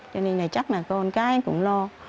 cho nên là chắc là con cá cũng lo